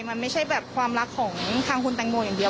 มันไม่ใช่แบบความรักของทางคุณแตงโมอย่างเดียว